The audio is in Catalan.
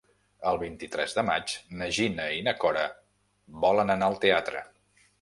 El vint-i-tres de maig na Gina i na Cora volen anar al teatre.